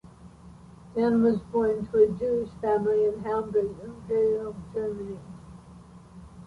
Dehn was born to a Jewish family in Hamburg, Imperial Germany.